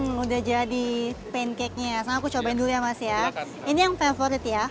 udah jadi pancake nya sama aku cobain dulu ya mas ya ini yang favorit ya